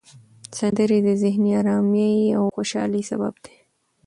سندرې د ذهني آرامۍ او خوشحالۍ سبب دي.